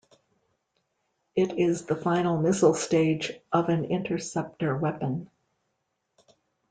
It is the final missile stage of an interceptor weapon.